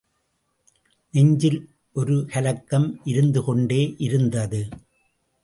நெஞ்சில் ஒருகலக்கம் இருந்து கொண்டே இருந்தது.